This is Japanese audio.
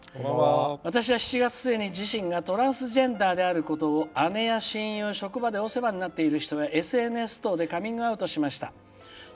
私は７月末に、自身がトランスジェンダーであることを姉や親友、職場でお世話になっている人にＳＮＳ等でカミングアウトしました。